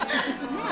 ねえ。